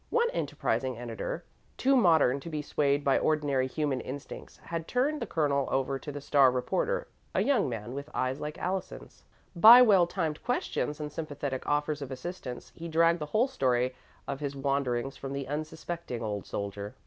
One enterprising editor, too modern to be swayed by ordinary human instincts, had turned the Colonel over to the star reporter a young man with eyes like Allison's. By well timed questions and sympathetic offers of assistance, he dragged the whole story of his wanderings from the unsuspecting old soldier.